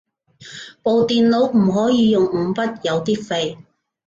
部電腦唔可以用五筆，有啲廢